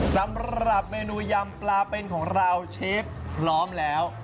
สำหรับเมนูยำปลาเป็นของเราเชฟพร้อมแล้ว